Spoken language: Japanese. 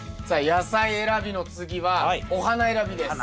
野菜選びの次はお花選びです。